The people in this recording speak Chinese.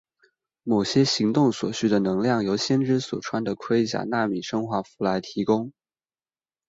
某些行动所需的能量由先知所穿的盔甲纳米生化服来提供。